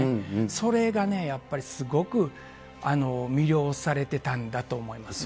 それがね、やっぱりすごく魅了されてたんだと思いますね。